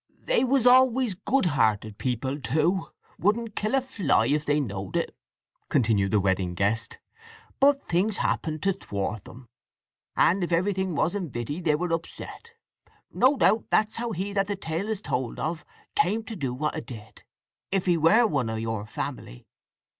"They was always good hearted people, too—wouldn't kill a fly if they knowed it," continued the wedding guest. "But things happened to thwart 'em, and if everything wasn't vitty they were upset. No doubt that's how he that the tale is told of came to do what 'a did—if he were one of your family."